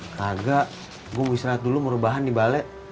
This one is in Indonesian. kagak gue mau istirahat dulu mau rubahan di balet